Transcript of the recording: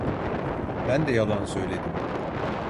Ben de yalan söyledim.